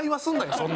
そんな。